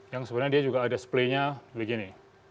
yang sebenarnya dia juga ada splay nya begini